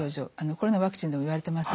コロナワクチンでもいわれてますね。